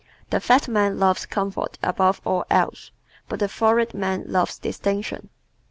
The fat man loves comfort above all else, but the florid man loves distinction.